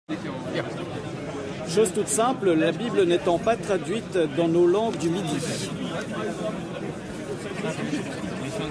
Chose toute simple, la Bible n'étant pas traduite dans nos langues du Midi.